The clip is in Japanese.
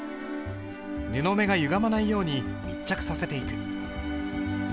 布目がゆがまないように密着させていく。